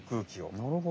なるほど。